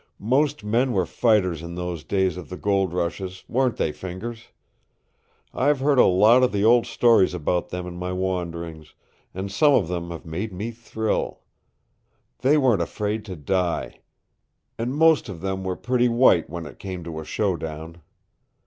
"Most men were fighters in those days of the gold rushes, weren't they, Fingers? I've heard a lot of the old stories about them in my wanderings, and some of them have made me thrill. They weren't afraid to die. And most of them were pretty white when it came to a show down.